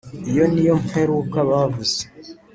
iyi niyo mperuka bavuze